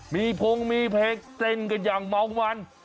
มีพงมีเพลงเต้นกันอย่างเมามัน